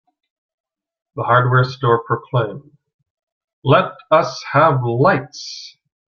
The hardware store clerk proclaimed, "Let us have lights!"